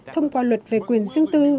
thông qua luật về quyền xương tư